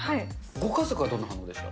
ご家族はどんな感じでした？